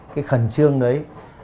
cái khẩn trương đấy